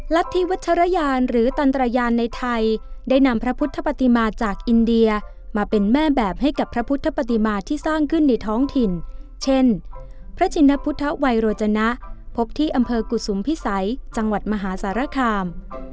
รัฐธิวัชรยานหรือตันตรยานในไทยได้นำพระพุทธปฏิมาจากอินเดียมาเป็นแม่แบบให้กับพระพุทธปฏิมาที่สร้างขึ้นในท้องถิ่นเช่นพระชินพุทธวัยโรจนะพบที่อำเภอกุศุมพิสัยจังหวัดมหาสารคาม